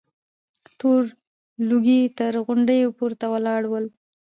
تور لوګي تر غونډيو پورته ولاړ ول.